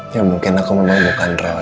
ya mungkin aku memang bukan mama